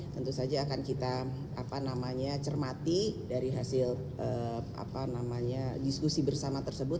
tentu saja akan kita apa namanya cermati dari hasil apa namanya diskusi bersama tersebut